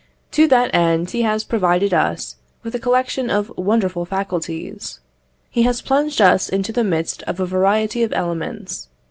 To that end, He has provided us with a collection of wonderful faculties; He has plunged us into the midst of a variety of elements.